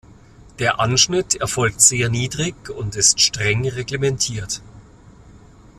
Der Anschnitt erfolgt sehr niedrig und ist streng reglementiert.